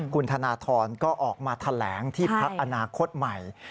คุณธนทรก็ออกมาแถลงที่พักอนาคตใหม่